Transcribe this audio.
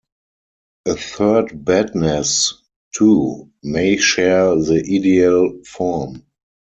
A third bedness, too, may share the ideal form.